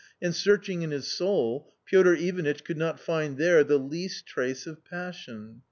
And, searching in his soul, Piotr Ivanitch could not find there the least trace of passion..